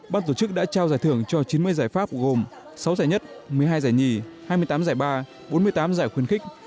ban tổ chức đã trao giải thưởng cho chín mươi giải pháp gồm sáu giải nhất một mươi hai giải nhì hai mươi tám giải ba bốn mươi tám giải khuyến khích